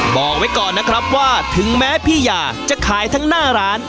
บอกไว้ก่อนนะครับว่าถึงแม้พี่ยาจะขายทั้งหน้าร้าน